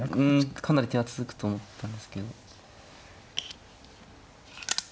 かなり手厚くと思ったんですけど。